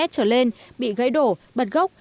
trở lên bị gãy đổ bật gốc